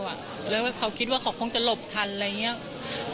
พูดสิทธิ์ข่าวธรรมดาทีวีรายงานสดจากโรงพยาบาลพระนครศรีอยุธยาครับ